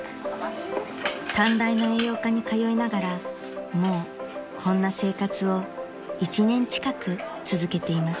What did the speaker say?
［短大の栄養科に通いながらもうこんな生活を１年近く続けています］